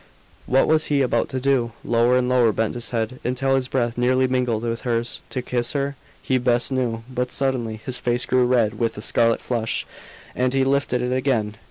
What was he about to do? Lower and lower bent his head, until his breath nearly mingled with hers. To kiss her? He best knew. But, suddenly, his face grew red with a scarlet flush, and he lifted it again.